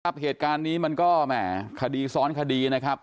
เหตุการณ์นี้มันก็แหม่คดีซ้อนคดีนะครับ